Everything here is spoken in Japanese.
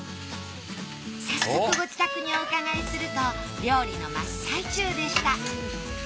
早速ご自宅にお伺いすると料理の真っ最中でした。